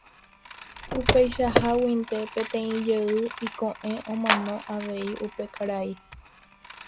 Upeichaháguinte peteĩ jey iko'ẽ omano avei upe karai.